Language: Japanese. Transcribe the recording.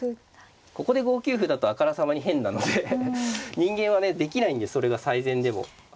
ここで５九歩だとあからさまに変なので人間はねできないんでそれが最善でも。